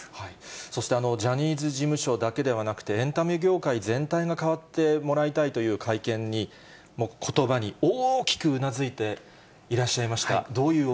そしてジャニーズ事務所だけではなくて、エンタメ業界全体が変わってもらいたいという会見に、ことばに、大きくうなずいていらっしゃいました。